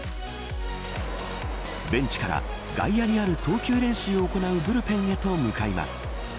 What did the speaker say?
ベンチから外野にある投球練習を行うブルペンへと向かいます。